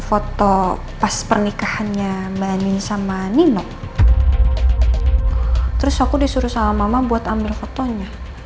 foto pas pernikahannya